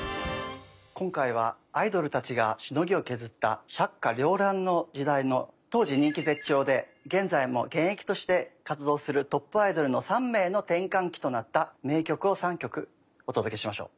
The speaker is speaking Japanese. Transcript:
今回はアイドルたちがしのぎを削った百花繚乱の時代の当時人気絶頂で現在も現役として活動するトップアイドルの３名の転換期となった名曲を３曲お届けしましょう。